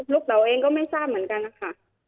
เราเองก็ไม่ทราบเหมือนกันนะคะ